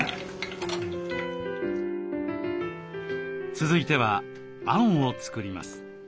続いてはあんを作ります。